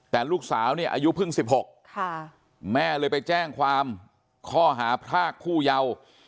แต่ลูกสาวเนี่ยอายุเพิ่ง๑๖แม่เลยไปแจ้งความข้อหาพรากผู้เยาว์